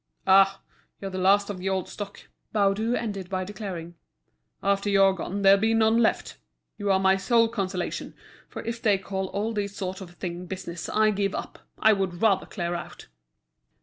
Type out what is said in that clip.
"Ah, you're the last of the old stock," Baudu ended by declaring. "After you're gone there'll be none left. You are my sole consolation, for if they call all this sort of thing business I give up, I would rather clear out."